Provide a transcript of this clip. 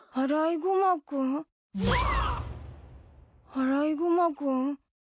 アライグマ君？